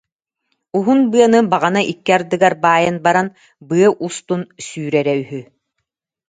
Уһун быаны баҕана икки ардыгар баайан баран быа устун сүүрэрэ үһү